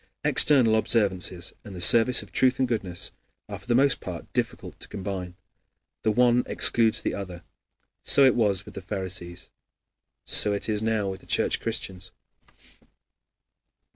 External observances and the service of truth and goodness are for the most part difficult to combine; the one excludes the other. So it was with the Pharisees, so it is now with Church Christians.